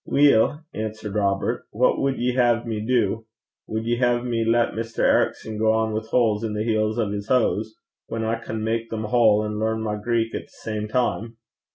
'Weel,' answered Robert, 'what wad ye hae me do? Wad ye hae me lat Mr. Ericson gang wi' holes i' the heels o' 's hose, whan I can mak them a' snod, an' learn my Greek at the same time?